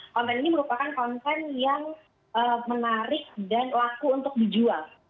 konten ini merupakan konten yang menarik dan laku untuk dijual